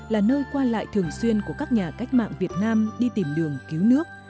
là nơi qua lại thường xuyên của các nhà cách mạng việt nam đi tìm đường cứu nước